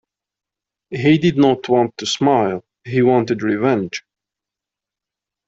He did not want to smile; he wanted revenge.